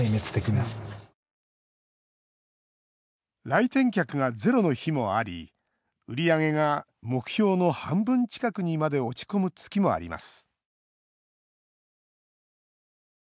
来店客がゼロの日もあり売り上げが目標の半分近くにまで落ち込む月もあります。